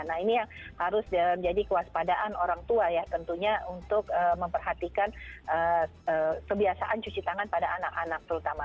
nah ini yang harus menjadi kewaspadaan orang tua ya tentunya untuk memperhatikan kebiasaan cuci tangan pada anak anak terutama